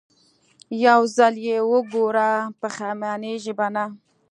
يو ځل يې وګوره پښېمانېږې به نه.